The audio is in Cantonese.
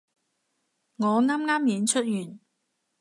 我啱啱演出完